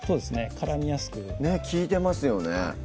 絡みやすくねっ利いてますよね